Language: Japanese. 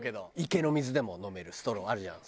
池の水でも飲めるストローあるじゃん。